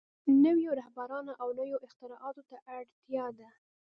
نويو رهبرانو او نويو اختراعاتو ته اړتيا ده.